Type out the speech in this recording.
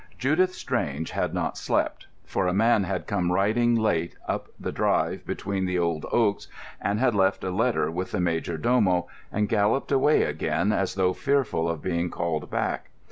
Judith Strange had not slept, for a man had come riding late up the drive between the old oaks, and had left a letter with the major domo, and galloped away again as though fearful of being called back.